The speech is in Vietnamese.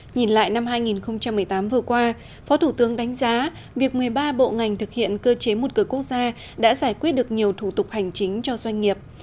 nhìn lại năm hai nghìn một mươi tám vừa qua phó thủ tướng đánh giá việc một mươi ba bộ ngành thực hiện cơ chế một cửa quốc gia đã giải quyết được nhiều thủ tục hành chính cho doanh nghiệp